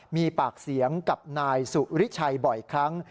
มีปากเสียงกับนายสุริชัยบ่อยครั้ง